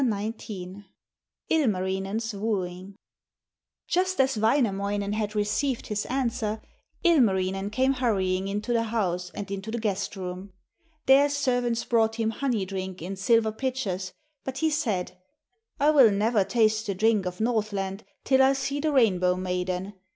ILMARINEN'S WOOING Just as Wainamoinen had received his answer, Ilmarinen came hurrying into the house and into the guest room. There servants brought him honey drink in silver pitchers, but he said: 'I will never taste the drink of Northland till I see the Rainbow maiden.